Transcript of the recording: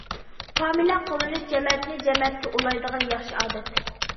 فامىلە قوللىنىش جەمەتنى جەمەتكە ئۇلايدىغان ياخشى ئادەت.